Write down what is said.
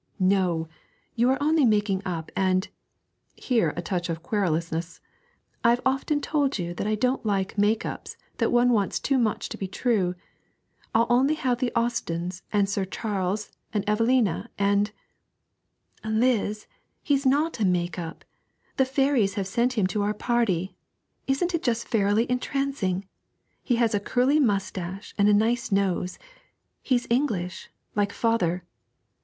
'No! you are only making up, and' (here a touch of querulousness) 'I've often told you that I don't like make ups that one wants too much to be true. I'll only have the Austens and Sir Charles and Evelina and ' 'Eliz! He's not a make up; the fairies have sent him to our party. Isn't it just fairilly entrancing? He has a curly moustache and a nice nose. He's English, like father.